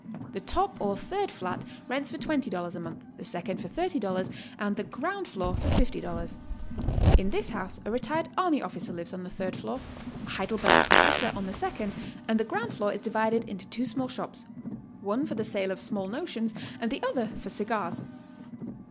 The top or third flat rents for $20 a month, the second for $30 and the ground floor for $50. In this house a retired army offlcer lives on the third floor, a Heidelberg professor on the second, and the ground floor is divided into two small shops, one for the sale of small notions and the other for cigars.